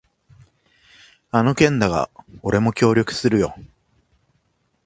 あの件だが、俺も協力するよ。